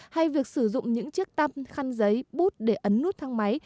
hay việc sử dụng những chiếc tăm khăn giấy bút để ấn nút thang máy